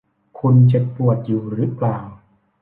คุณเจ็บปวดอยู่รึเปล่า ?